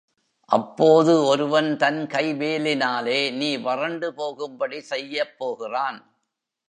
அப்போது ஒருவன் தன் கை வேலினாலே நீ வறண்டு போகும்படி செய்யப் போகிறான்.